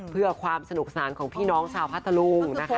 เพื่อความสนุกสนานของพี่น้องชาวพัทธรุงนะคะ